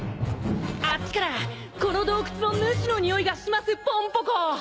あっちからこの洞窟の主のにおいがしますポンポコ！